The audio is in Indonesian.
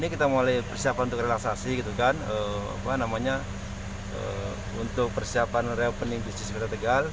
kami bersiap untuk relaksasi untuk persiapan reopening bisnis kota tegal